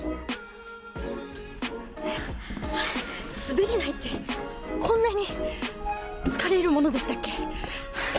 滑り台ってこんなに疲れるものでしたっけ。